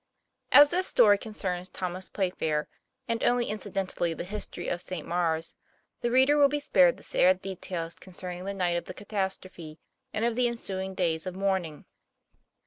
AS this story concerns Thomas Playfair and only incidentally the history of St. Maure's, the reader will be spared the sad details concerning the night of the catastrophe, and of the ensuing days of mourning.